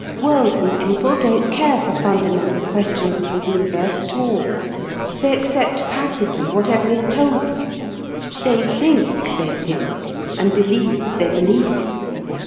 Worldly people don't care for fundamental questions of the universe at all; they accept passively whatever is told them; they think they think, and believe they believe it.